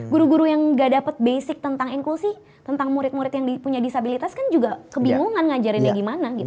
guru guru yang gak dapat basic tentang inklusi tentang murid murid yang punya disabilitas kan juga kebingungan ngajarinnya gimana gitu